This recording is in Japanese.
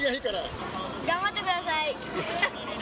頑張ってください。